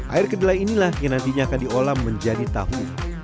air kedelai inilah yang nantinya akan diolah menjadi tahu